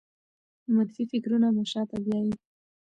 منفي فکرونه مو شاته بیايي.